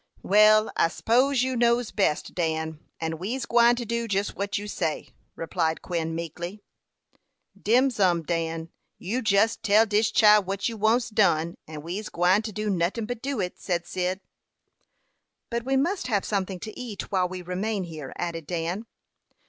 "Well, I s'pose you knows best, Dan; and we's gwine to do jus what you say," replied Quin, meekly. "Dem's um, Dan; you jus tell dis chile wot you wants done, and we's gwine to do notin but do it," said Cyd. "But we must have something to eat while we remain here," added Dan.